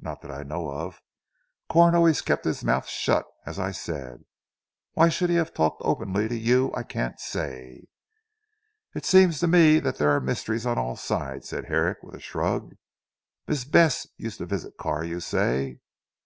"Not that I know of. Corn always kept his mouth shut as I said. Why he should have talked openly to you I can't say?" "It seems to me that there are mysteries on all sides," said Herrick with a shrug. "Miss Bess used to visit Carr you say?"